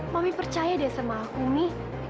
mami percaya deh sama aku nih